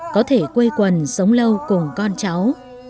có thể quây quần sống lâu cùng con cháu